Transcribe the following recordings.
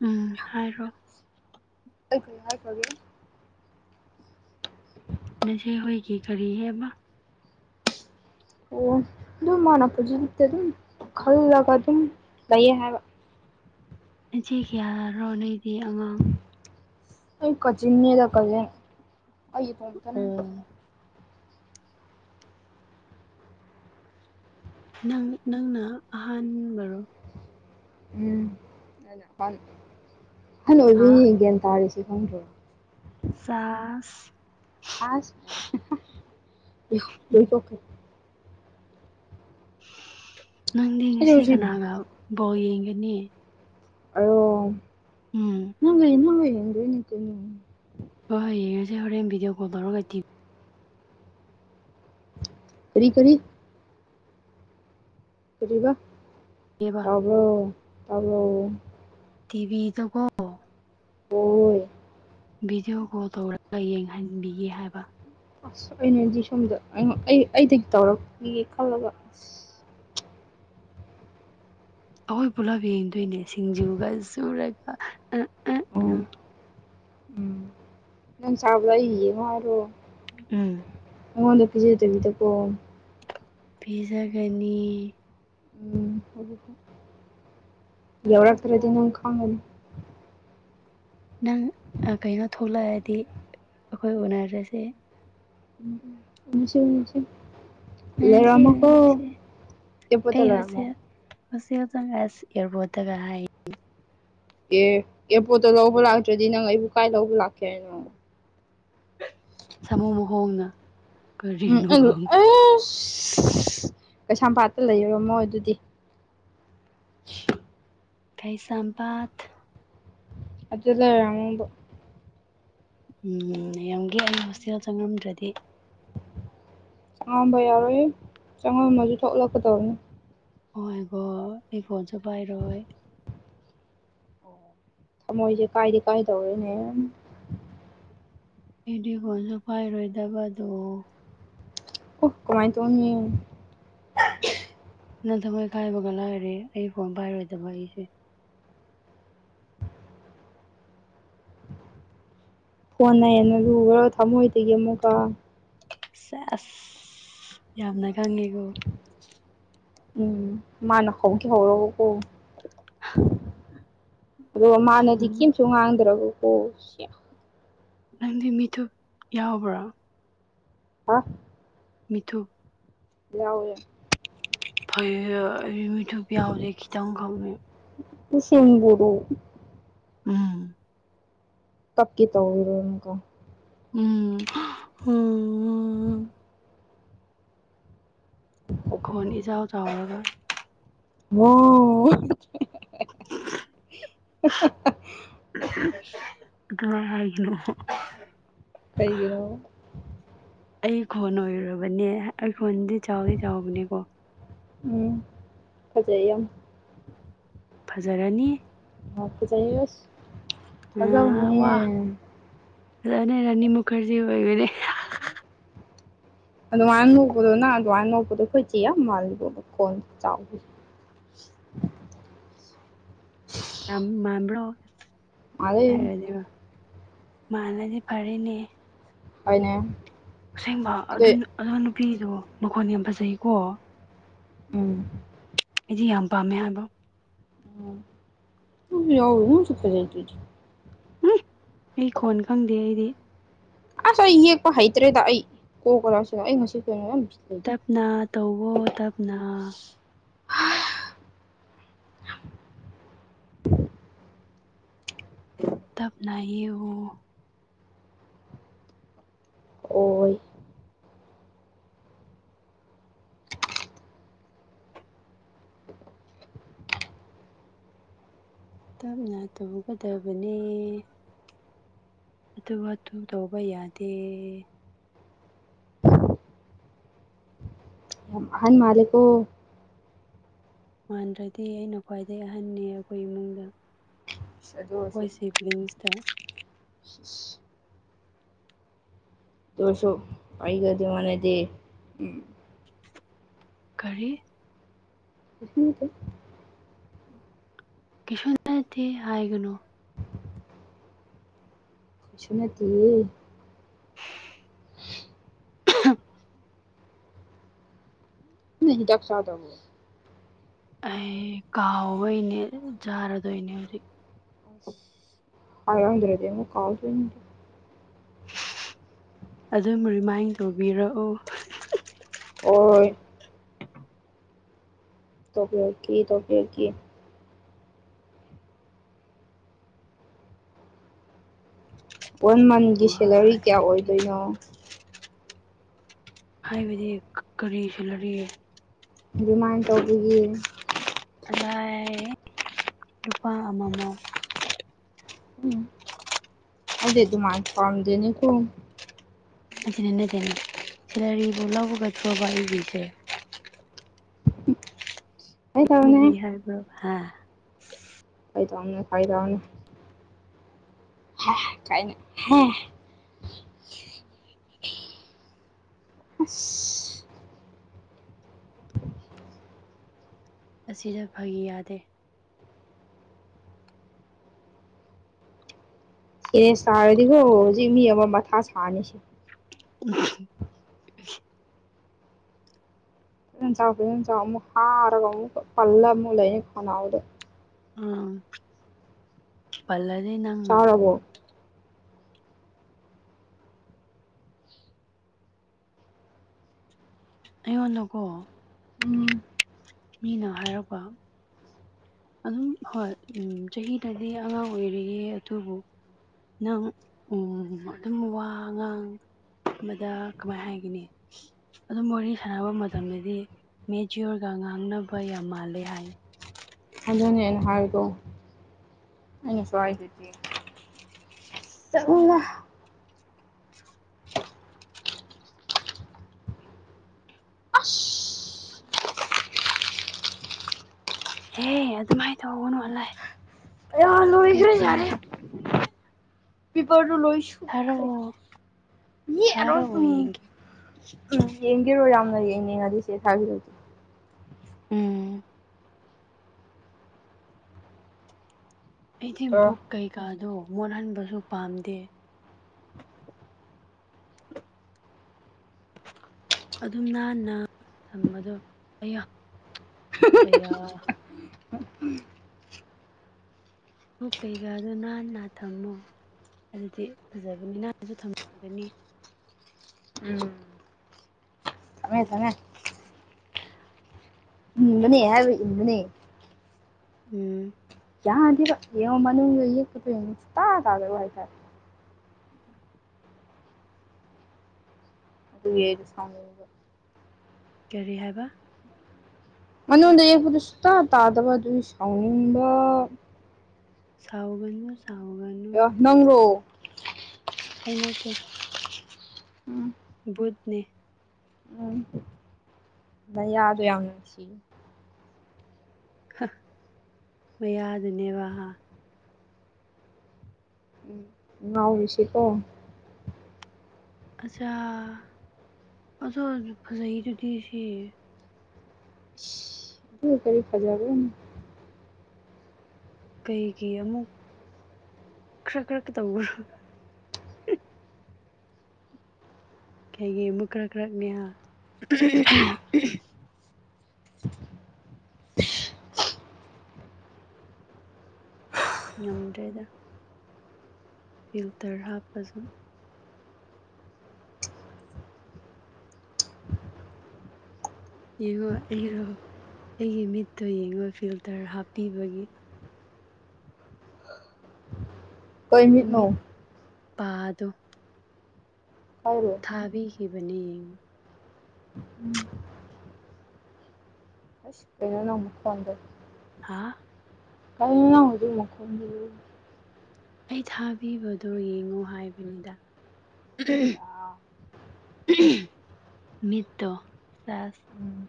ꯎꯝ ꯍꯥꯏꯔꯣ ꯑꯩ ꯀꯔꯤ ꯍꯥꯏꯈ꯭ꯔꯒꯦ ꯅꯆꯦ ꯍꯣꯏꯒꯤ ꯀꯔꯤ ꯍꯥꯏꯕ ꯑꯣ ꯑꯗꯨꯝ ꯃꯥꯅ ꯄꯨꯖꯛꯇ ꯑꯗꯨꯝ ꯈꯜꯂꯒ ꯑꯗꯨꯝ ꯂꯩꯌꯦ ꯍꯥꯏꯕ ꯅꯆꯦ ꯀꯌꯥꯔꯣ ꯅꯣꯏꯗꯤ ꯑꯉꯥꯡ ꯑꯩ ꯀꯖꯤꯟꯅꯦꯗ ꯀꯖꯤꯟ ꯑꯩ ꯏꯇꯣꯝꯇꯅꯦ ꯑꯣ ꯅꯪ ꯅꯪꯅ ꯑꯍꯥꯟꯕꯔꯣ ꯎꯝ ꯑꯍꯜ ꯍꯥ ꯑꯣꯏꯕꯅꯤ ꯒ꯭ꯌꯥꯟ ꯇꯥꯔꯤꯁꯦ [unintelligible] ꯆꯥꯁ [unintelligible] ꯅꯪꯗꯤ ꯑꯩ ꯉꯁꯤ ꯍꯧꯖꯤꯛ ꯀꯅꯥꯒ ꯕꯣꯜ ꯌꯦꯡꯒꯅꯤ ꯎꯝ [inaudible] ꯍꯣꯏ ꯍꯣꯏ ꯌꯦꯡꯉꯁꯦ ꯍꯣꯔꯦꯟ ꯚꯗꯤꯑꯣ ꯀꯣꯜ ꯂꯧꯔꯒꯗꯤ ꯀꯔꯤ ꯀꯔꯤ ꯀꯔꯤꯕ ꯇꯤꯕꯤꯅꯦꯕ ꯇꯥꯕ꯭ꯔꯣ ꯇꯥꯕ꯭ꯔꯣ ꯇꯤꯚꯤꯗꯀꯣ ꯑꯣ ꯚꯤꯗꯤꯑꯣ ꯀꯣꯜ ꯇꯧꯔꯒ ꯌꯦꯡꯍꯟꯕꯤꯒꯦ ꯍꯥꯏꯕ ꯑꯁ ꯑꯩꯅꯗꯤ ꯁꯣꯝꯗ‌ ꯑꯩꯉꯣ ꯑꯩ ꯑꯩꯗꯒꯤ ꯇꯧꯔꯛꯈꯤꯒꯦ ꯈꯜꯂꯒ ꯑꯁ ꯑꯩꯈꯣꯏ ꯄꯨꯂꯞ ꯌꯦꯡꯗꯣꯏꯅꯦ ꯁꯤꯡꯖꯨꯒ ꯁꯨꯔꯒ ꯑ ꯑ ꯎꯝ ꯎꯝ ꯅꯪ ꯆꯥꯕꯗꯣ ꯑꯩ ꯌꯦꯡꯉꯣ ꯍꯥꯏꯔꯣ ꯎꯝ ꯑꯩꯉꯣꯟꯗ ꯄꯤꯖꯗꯕꯤꯗꯀꯣꯝ ꯄꯤꯖꯒꯅꯤ ꯎꯝ ꯌꯧꯔꯛꯇ꯭ꯔꯗꯤ ꯅꯪ ꯈꯪꯉꯅꯤ ꯅꯪ ꯀꯩꯅꯣ ꯊꯣꯛꯂꯛꯑꯗꯤ ꯑꯩꯈꯣꯏ ꯎꯅꯔꯁꯦ ꯎꯝ ꯎꯅꯁꯦ ꯎꯅꯁꯦ ꯉꯁꯤ ꯂꯩꯔꯝꯃꯣꯀꯣ ꯉꯁꯤ ꯑꯦꯌ꯭ꯔꯄꯣꯠꯇ ꯂꯩꯔꯝꯃꯣ ꯉꯁꯤꯈꯛ ꯆꯪꯈ꯭ꯔ ꯑꯁ ꯏꯌ꯭ꯔꯕꯣꯠꯇꯒ ꯍꯥꯏꯌꯦ ꯑꯦ ꯑꯦꯌ꯭ꯔꯄꯣꯔꯠꯇ ꯂꯧꯕ ꯂꯥꯛꯇ꯭ꯔꯗꯤ ꯅꯪ ꯑꯩꯕꯨ ꯀꯥꯏ ꯂꯧꯕ ꯂꯥꯛꯀꯦ ꯍꯥꯏꯅꯣ ꯁꯥꯃꯨꯨ ꯃꯈꯣꯡꯅ ꯎꯝ ꯀꯔꯤꯅꯣ ꯈꯪ ꯑꯦꯁ ꯀꯩꯁꯥꯝꯄꯥꯠꯇ ꯂꯩꯔꯝꯃꯣ ꯑꯗꯨꯗꯤ ꯀꯩꯁꯥꯝꯄꯥꯠ ꯑꯗꯨꯗ ꯂꯩꯔꯥꯡꯃꯣꯡꯗꯣ ꯎꯝ ꯌꯦꯝꯒꯦ ꯑꯩ ꯍꯣꯁꯇꯦꯜ ꯆꯪꯉꯝꯗ꯭ꯔꯗꯤ ꯆꯪꯉꯝꯕ ꯌꯥꯔꯣꯏꯍꯦ ꯆꯪꯉꯝꯃꯁꯨ ꯊꯣꯛꯂꯛꯀꯗꯧꯕꯅꯤ ꯑꯣꯏ ꯃꯥꯏ ꯒꯣꯠ ꯑꯩ ꯐꯣꯟꯁꯨ ꯄꯥꯏꯔꯣꯏ ꯊꯝꯃꯣꯏꯖꯦ ꯀꯥꯏꯗꯤ ꯀꯥꯏꯗꯧꯔꯦꯅꯦ ꯑꯩꯗꯤ ꯐꯣꯟꯖꯨ ꯄꯥꯏꯔꯣꯏꯗꯕꯗꯣ ꯑꯣ ꯀꯃꯥꯏ ꯇꯧꯅꯤ ꯅꯪ ꯊꯃꯣꯏ ꯀꯥꯏꯕꯒ ꯂꯥꯏꯔꯤ ꯑꯩ ꯐꯣꯟ ꯄꯥꯏꯔꯣꯏꯗꯕ ꯑꯩꯁꯦ ꯐꯣꯟꯅ ꯍꯦꯟꯅ ꯂꯨꯕ꯭ꯔꯣ ꯊꯃꯣꯏꯗꯒꯤ ꯑꯃꯨꯛꯀ ꯁꯦꯁ ꯌꯥꯝꯅ ꯈꯪꯉꯤꯀꯣ ꯎꯝ ꯃꯥꯅ ꯍꯧꯒꯦ ꯍꯧꯔꯒꯀꯣ [unintelligible] ꯑꯗꯨꯒ ꯃꯥꯅꯗꯤ ꯀꯦꯝꯁꯨ ꯉꯥꯡꯗ꯭ꯔꯒꯀꯣ ꯁꯤꯑꯥ ꯅꯪꯗꯤ ꯃꯤꯠꯊꯨꯞ ꯌꯥꯎꯕ꯭ꯔꯣ ꯍꯥ ꯃꯤꯠꯊꯨꯞ ꯌꯥꯎꯋꯦ ꯐꯩꯌꯦ ꯑꯩꯗꯤ ꯃꯤꯠꯊꯨꯞ ꯌꯥꯎꯗꯦ ꯈꯤꯇꯪ ꯈꯛꯅꯦ ꯥꯑꯁꯦꯡꯕꯨꯨꯔꯨ ꯎꯝ ꯀꯞꯀꯦ ꯇꯧꯏꯔꯣ ꯑꯃꯨꯛꯀ ꯎꯝ ꯍ ꯑ [inaudible] ꯈꯣꯟ ꯏꯆꯥꯎ ꯆꯥꯎꯔꯒ ꯋꯣ ꯑꯗꯨꯃꯥꯏ ꯍꯥꯏꯒꯅꯣ ꯀꯩꯒꯤꯅꯣ ꯑꯩ ꯈꯣꯟ ꯑꯣꯏꯔꯨꯔꯕꯅꯦ ꯑꯩ ꯈꯣꯟꯗꯤ ꯆꯥꯎꯗꯤ ꯆꯥꯎꯕꯅꯦꯀꯣ ꯎꯝ ꯐꯖꯩꯌꯦ ꯌꯥꯝ ꯐꯖꯔꯅꯤ ꯑꯥ ꯐꯖꯩꯌꯦ ꯑꯁ ꯊꯥꯖꯧꯅꯦ ꯑꯗꯨꯅꯦ ꯔꯥꯅꯤ ꯃꯨꯈꯔꯖꯤ ꯑꯣꯏꯕꯅꯦ [unintelligible] ꯑꯗꯨꯃꯥꯏꯅ ꯅꯣꯛꯄꯗꯣ ꯅꯪ ꯑꯗꯨꯃꯥꯏꯅ ꯅꯣꯛꯄꯗꯣ ꯑꯩꯈꯣꯏ ꯆꯦ ꯌꯥꯝ ꯃꯥꯜꯂꯦꯕꯣ ꯈꯣꯟ ꯆꯥꯎꯕꯒꯤ ꯌꯥꯝ ꯃꯥꯟꯕ꯭ꯔꯣ ꯃꯥꯜꯂꯦ ꯍꯥꯏꯔꯗꯣꯏꯔꯣ ꯃꯥꯜꯂꯗꯤ ꯐꯔꯅꯦ ꯍꯣꯏꯅꯦ ꯑꯁꯦꯡꯕ ꯑꯗꯨ ꯑꯗꯨꯏ ꯑꯗꯨ ꯅꯨꯄꯤꯗꯣ ꯃꯈꯣꯟ ꯌꯥꯝ ꯐꯖꯩꯌꯦꯀꯣ ꯎꯝ ꯑꯩꯗꯤ ꯌꯥꯝ ꯄꯥꯝꯃꯦ ꯍꯥꯏꯕ [unintelligible] ꯑꯗꯨꯝ ꯌꯥꯎꯋꯦ ꯅꯪꯁꯨ ꯐꯖꯩꯗꯨꯗꯤ [unintelligible] ꯑꯩ ꯈꯣꯟ ꯈꯪꯗꯦ ꯑꯩꯗꯤ ꯑꯁ ꯑꯩ ꯌꯦꯛꯄ ꯍꯩꯇ꯭ꯔꯦꯗ ꯑꯩ ꯀꯣꯛꯀꯣ ꯀꯣꯂꯥꯁꯦ ꯑꯩ ꯉꯁꯤ ꯀꯩꯅꯣ ꯌꯥꯝ__ [unintelligible] ꯅꯥ ꯇꯧꯕ꯭ꯔꯣ ꯇꯞꯅ ꯇꯞꯅ ꯌꯦꯛꯑꯣ ꯑꯣꯏ ꯇꯞꯅ ꯇꯧꯕꯤꯒꯗꯕꯅꯦ ꯍꯥꯊꯨ ꯍꯥꯊꯨ ꯇꯧꯕ ꯌꯥꯗꯦ ꯌꯥꯝ ꯑꯍꯟ ꯃꯥꯜꯂꯦꯀꯣ ꯃꯥꯟꯗ꯭ꯔꯗꯤ ꯑꯩꯅ ꯈ꯭ꯋꯥꯏꯗꯩ ꯑꯍꯟꯅꯦ ꯑꯩꯈꯣꯏ ꯏꯃꯨꯡꯗ ꯏꯁ ꯑꯗꯨ ꯑꯣꯏꯁꯨ ꯑꯩꯈꯣꯏ ꯁꯤꯕ꯭ꯂꯤꯡꯁꯇ ꯏꯁꯏꯁ ꯑꯗꯨ ꯑꯣꯏꯁꯨ ꯑꯩꯒ ꯑꯗꯨ ꯃꯥꯅꯗꯦ ꯀꯔꯤ ꯀꯩꯁꯨ ꯅꯠꯇꯦ ꯀꯩꯁꯨ ꯅꯠꯇꯦ ꯍꯥꯏꯒꯅꯨ ꯀꯩꯁꯨ ꯅꯠꯇꯤꯌꯦ [unintelligible] ꯅꯪ ꯍꯤꯗꯥꯛ ꯆꯥꯗꯕ꯭ꯔꯣ ꯑꯩ ꯀꯥꯎꯕꯩꯅꯦ ꯆꯥꯔꯗꯣꯏꯅꯦ ꯍꯧꯖꯤꯛ ꯍꯥꯏꯔꯝꯗ꯭ꯔꯗꯤ ꯑꯃꯨꯛ ꯀꯥꯎꯗꯣꯏꯅꯤꯗꯣ ꯑꯗꯨꯝ ꯔꯤꯃꯥꯏꯟ ꯇꯧꯕꯤꯔꯛꯑꯣ ꯑꯣꯏ ꯇꯧꯕꯤꯔꯛꯀꯦ ꯇꯧꯕꯤꯔꯛꯀꯦ ꯋꯥꯟ ꯃꯟꯒꯤ ꯁꯦꯂꯔꯤ ꯀꯌꯥ ꯑꯣꯏꯗꯣꯏꯅꯣ ꯍꯥꯏꯕꯗꯤ ꯀꯔꯤ ꯁꯦꯂꯔꯤ ꯔꯤꯃꯥꯏꯟ ꯇꯧꯕꯒꯤ ꯀꯗꯥꯏ ꯂꯨꯄꯥ ꯑꯃꯃꯝ ꯍꯨꯝ ꯑꯩꯗꯤ ꯑꯗꯨꯃꯥꯏ ꯄꯥꯝꯗꯦꯅꯦ ꯀꯣ [unintelligible] ꯁꯦꯂꯔꯤ ꯕꯨ [unintelligible] ꯐꯥꯒꯤ ꯇꯧꯕꯅꯦ [unintelligible] ꯍꯥ ꯐꯥꯒꯤꯇꯧꯅꯦ ꯐꯥꯒꯤꯇꯧꯕꯅꯦ ꯍꯥꯍ ꯀꯥꯏꯅ ꯍꯦ ꯑꯁ ꯑꯁꯤꯗ ꯐꯥꯒꯤ ꯌꯥꯗꯦ ꯁꯦꯔꯦꯁ ꯇꯥꯔꯗꯤꯀꯣ ꯍꯧꯖꯤꯛ ꯃꯤ ꯑꯃ ꯃꯊꯥ ꯁꯥꯅꯤꯁꯦ [unintelligible] ꯐꯖꯅ ꯆꯥꯎ ꯐꯖꯅ ꯆꯥꯎ ꯑꯃꯨꯛ ꯍꯥꯔꯒ ꯑꯃꯨꯛꯀ ꯄꯜꯂ ꯑꯃꯨꯛ ꯂꯩꯅꯤ ꯈꯅꯥꯎꯗ ꯑꯪ ꯄꯜꯂꯗꯤ ꯅꯪꯅ ꯆꯥꯔꯕꯣ ꯑꯩꯉꯣꯟꯗꯀꯣ ꯎꯝ ꯃꯤꯅ ꯍꯥꯏꯔꯛꯄ ꯑꯗꯨꯝ ꯍꯣꯏ ꯎꯝ ꯆꯍꯤꯗꯗꯤ ꯑꯉꯥꯡ ꯑꯣꯏꯔꯤꯌꯦ ꯑꯗꯨꯕꯨ ꯅꯪ ꯎꯝ ꯑꯗꯨꯝ ꯋꯥꯉꯥꯡ ꯃꯗꯥ ꯀꯃꯥꯏ ꯍꯥꯏꯒꯅꯤ ꯑꯗꯨꯝ ꯋꯥꯔꯤ ꯁꯥꯟꯅꯕ ꯃꯇꯝꯗꯗꯤ ꯃꯦꯆꯌꯣꯔꯒ ꯉꯥꯡꯅꯕ ꯌꯥꯝ ꯃꯥꯜꯂꯦ ꯍꯥꯏ ꯑꯗꯨꯅꯦ ꯑꯩꯅ ꯍꯥꯏꯗꯣ ꯑꯩꯅꯁꯨ ꯍꯥꯏꯗꯨꯗꯤ [unintelligible] ꯑꯁ ꯍꯦ ꯑꯗꯨꯃꯥꯏꯅ ꯇꯧꯒꯅꯣ ꯑꯜꯂꯥꯏ ꯑꯌꯥ ꯂꯣꯏꯈ꯭ꯔꯦ ꯌꯥꯔꯦ ꯄꯤꯄꯔꯗꯨ ꯂꯣꯏ ꯁꯨꯞꯈ꯭ꯔꯦ ꯊꯥꯔꯛꯑꯣ ꯌꯦꯛꯑꯔꯣꯏ ꯊꯥꯔꯛꯑꯣ ꯎꯝ ꯌꯦꯡꯒꯦ ꯎꯝ ꯌꯦꯡꯒꯤꯔꯣ ꯌꯥꯝꯅ ꯌꯦꯡꯅꯤꯡꯉꯗꯤ ꯁꯦ ꯊꯥꯕꯤꯔꯛꯀꯦ ꯎꯝ ꯑꯩꯗꯤ ꯑꯣ ꯕꯨꯛ ꯀꯩꯀꯥꯗꯣ ꯃꯣꯠꯍꯟꯕꯁꯨ ꯄꯥꯝꯗꯦ ꯑꯗꯨꯝ ꯅꯥꯟꯅ ꯊꯝꯕꯗꯣ ꯑꯩꯌꯥ ꯑꯩꯌꯥ ꯕꯨꯛ ꯀꯩꯀꯥꯗꯣ ꯅꯥꯟꯅ ꯊꯝꯃꯣ ꯑꯗꯨꯗꯤ ꯐꯖꯕꯅꯤ ꯅꯥꯟꯅꯁꯨ ꯊꯝꯒꯅꯤ ꯎꯝ ꯊꯝꯃꯦ ꯊꯝꯃꯦ ꯏꯟꯕꯅꯦ ꯍꯥꯏꯕ ꯏꯟꯕꯅꯦ ꯎꯝ ꯌꯥꯗꯦꯕ ꯌꯦꯡꯉꯣ ꯃꯅꯨꯡꯗ ꯌꯦꯛꯄꯗꯣ ꯌꯦꯡꯉꯣ ꯁꯨꯛꯇꯥ ꯇꯥꯗꯕ ꯍꯥꯏꯇꯥ ꯑꯗꯨꯒꯤ ꯑꯩꯅ ꯁꯥꯎꯅꯤꯡꯕ ꯀꯔꯤ ꯍꯥꯏꯕ ꯃꯅꯨꯡꯗ ꯌꯦꯛꯄꯗꯨ ꯁꯨꯇꯥ ꯇꯥꯗꯕ ꯑꯗꯨꯒꯤ ꯁꯥꯎꯅꯤꯡꯕ ꯁꯥꯎꯒꯅꯣ ꯑꯌꯥ ꯅꯪꯔꯣ ꯑꯩ ꯅꯠꯇꯦ ꯎꯝ ꯕꯨꯠꯅꯦ ꯎꯝ ꯅꯌꯥꯗꯣ ꯌꯥꯝ ꯅꯨꯡꯁꯤ ꯍ ꯃꯌꯥꯗꯨꯅꯦꯕ ꯍꯥ ꯎꯝ ꯉꯥꯎꯔꯤꯁꯤꯀꯣ ꯑꯠꯆꯥ [unintelligible] ꯐꯖꯩꯗꯨꯗꯤ ꯁꯤ [unintelligible] ꯀꯔꯤ ꯐꯖ [unintelligible] ꯀꯩꯒꯤ ꯑꯃꯨꯛ ꯈ꯭ꯔꯛ ꯈ꯭ꯔꯛ ꯇꯧꯕ꯭ꯔꯣ ꯀꯩꯒꯤ ꯑꯃꯨꯛ ꯀ꯭ꯔꯛ ꯀ꯭ꯔꯛꯅꯦꯍꯥ [unintelligible] ꯉꯝꯗ꯭ꯔꯦꯗ ꯐꯤꯜꯇꯔ ꯍꯥꯞꯄꯁꯨ꯫ ꯌꯦꯡꯉꯣ ꯑꯩꯔꯣ ꯑꯩꯒꯤ ꯃꯤꯠꯇꯣ ꯌꯦꯡꯉꯣ ꯐꯤꯜꯇꯔ ꯍꯥꯞꯄꯤꯕꯒꯤ꯫ ꯀꯩ ꯃꯤꯠ ꯃꯤꯠꯅꯣ ꯄꯥꯗꯣ꯫ [unintelligible] ꯊꯥꯕꯤꯈꯤꯕꯅꯤ꯫ [inaudible] ꯑꯁ ꯀꯩꯅꯣ ꯅꯪ ꯃꯈꯣꯟꯗꯣ꯫ ꯍꯥꯥ꯫ ꯀꯩꯅꯣ ꯅꯪ ꯍꯧꯖꯤꯛ ꯃꯈꯣꯟ ꯗꯨ ꯫ ꯑꯩ ꯊꯥꯕꯤꯕꯗꯣ ꯌꯦꯡꯉꯣ ꯍꯥꯏꯕꯅꯤꯗ꯫ ꯃꯤꯠꯇꯣ ꯁꯦꯁ ꯎꯝ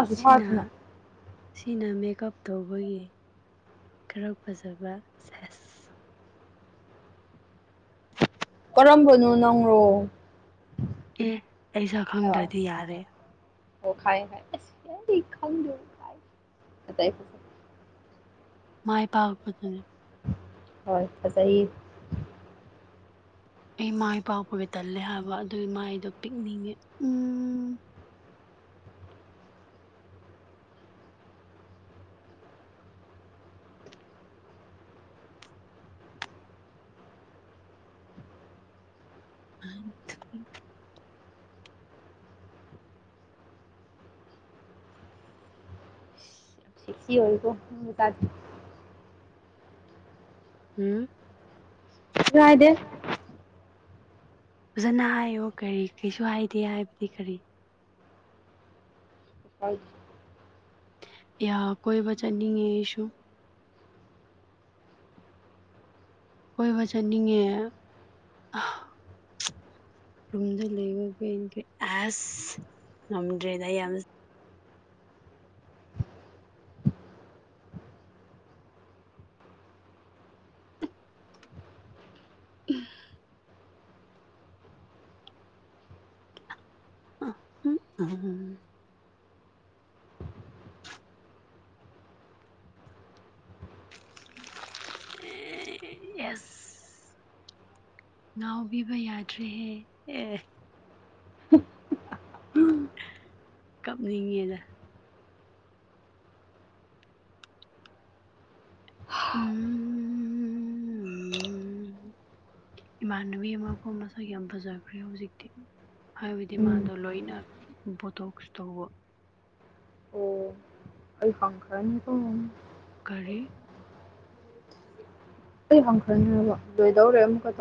ꯑꯁ ꯁꯤꯅꯥ꯫ ꯊꯥꯗꯅ ꯁꯤꯅ ꯃꯦꯀꯞ ꯇꯧꯕꯒꯤ ꯈꯔ ꯐꯖꯕ ꯁꯦꯁ꯫ ꯀꯔꯝꯕꯅꯣ ꯅꯪꯔꯣ꯫ ꯑꯦ ꯑꯩ ꯁꯛ ꯑꯥ ꯈꯪꯗ꯭ꯔꯗꯤ ꯌꯥꯔꯦ꯫ ꯑꯣ ꯈꯪꯉꯦ ꯈꯪꯉꯦ [unintelligible] ꯃꯥꯏ ꯄꯥꯛꯕꯗꯨꯅꯦ ꯍꯣꯏ ꯐꯖꯩ ꯑꯩ ꯃꯥꯏ ꯄꯥꯎꯕꯒ ꯇꯜꯂꯦ ꯍꯥꯏꯕ ꯑꯗꯨ ꯃꯥꯏꯗꯣ ꯄꯤꯛꯅꯤꯡꯉꯦ ꯎꯝ ꯑ [unintelligible] ꯑꯣꯏꯣ ꯇ [inaudible] ꯍꯨꯝ ꯂꯥꯢꯗꯦ ꯐꯖꯅ ꯍꯥꯏꯌꯣ ꯀꯔꯤ ꯀꯩꯁꯨ ꯍꯥꯏꯗꯦ ꯍꯥꯏꯕꯗꯤ ꯀꯔꯤ꯫ ꯍꯣꯢ ꯌꯥ ꯀꯣꯏꯕ ꯆꯠꯅꯤꯡꯉꯦ ꯑꯩꯁꯨ꯫ ꯀꯣꯏꯕ ꯆꯠꯅꯤꯡꯉꯦ꯫ ꯔꯨꯝꯗ ꯂꯩꯕ ꯄꯦꯟꯗꯦ ꯑꯁ ꯉꯝꯗ꯭ꯔꯦꯗ ꯑꯩ ꯌꯥꯝ꯫ [unintelligible] [inaudible] ꯌꯦꯁ꯫ ꯉꯥꯎꯕꯤꯕ ꯌꯥꯗ꯭ꯔꯦꯍꯦ ꯑꯦ꯫ ꯀꯞꯅꯤꯡꯉꯦꯗ꯫ ꯎꯝ꯫ ꯎꯝ ꯏꯃꯥꯟꯅꯕꯤ ꯑꯃꯀꯣ ꯃꯁꯛ ꯌꯥꯝ ꯐꯖꯈ꯭ꯔꯦ ꯍꯧꯖꯤꯛꯇꯤ꯫ ꯍꯥꯏꯕꯗꯤ ꯎꯝ ꯃꯥꯗꯣ ꯂꯣꯏꯅ ꯄꯣꯊꯣꯛꯁ ꯇꯧꯕ꯫ ꯑꯣ ꯑꯩ ꯍꯪꯈ꯭ꯔꯅꯤꯀꯣ ꯀꯔꯤ꯫ ꯑꯩ ꯍꯪꯈ꯭ꯔꯅꯤ ꯍꯥꯏꯕ ꯂꯣꯏꯗꯧꯔꯦ ꯑꯃꯨꯛꯀ ꯇꯧ